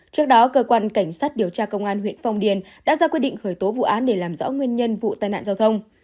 trước đó cơ quan cảnh sát điều tra công an huyện phong điền đã ra quyết định khởi tố vụ án để làm rõ nguyên nhân vụ tai nạn giao thông